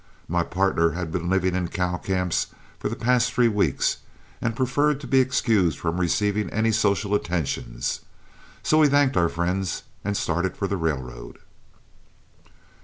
My partner had been living in cow camps for the past three weeks, and preferred to be excused from receiving any social attentions. So we thanked our friends and started for the railroad.